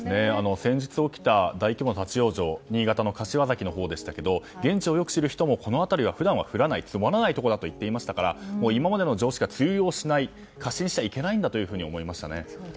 先日起きた大規模な立ち往生新潟の柏崎のほうでしたが現地をよく知る人もこの辺りは普段は降らない積もらないところだと言っていましたから今までの常識は通用しない過信してはいけないと思いました。